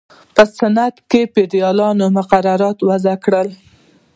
په صنعت کې یې فېدرالي مقررات وضع کړل.